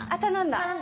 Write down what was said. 頼んだ。